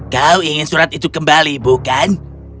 kau ingin surat itu kembali bukan